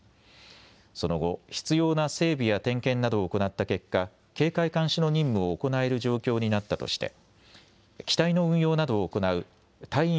その後、必要な整備や点検などを行った結果、警戒監視の任務を行える状況になったとして機体の運用などを行う隊員